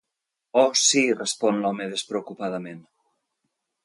Oh, sí —respon l'home despreocupadament.